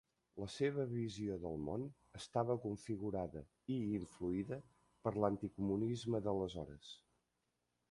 La seva visió del món estava configurada i influïda per l'anticomunisme d'aleshores.